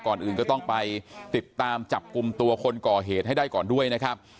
ก่อนอื่นก็ต้องไปติดตามจับกลุ่มตัวคนก่อเหตุให้ได้ก่อนด้วยนะครับ